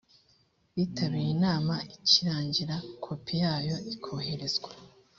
bitabiriye inama ikirangira kopi yayo ikohererezwa